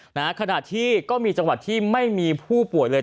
ขณะที่ก็มีจังหวัดที่ไม่มีผู้ป่วยเลย